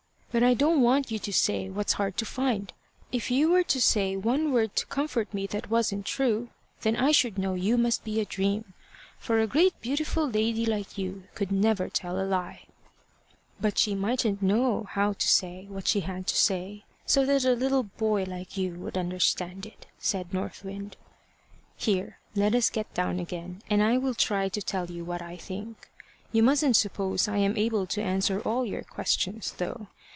"But I don't want you to say what's hard to find. If you were to say one word to comfort me that wasn't true, then I should know you must be a dream, for a great beautiful lady like you could never tell a lie." "But she mightn't know how to say what she had to say, so that a little boy like you would understand it," said North Wind. "Here, let us get down again, and I will try to tell you what I think. You musn't suppose I am able to answer all your questions, though.